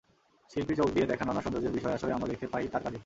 শিল্পীর চোখ দিয়ে দেখা নানা সৌন্দর্যের বিষয়-আশয় আমরা দেখতে পাই তাঁর কাজে।